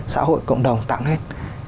xã hội cộng đồng tạo nên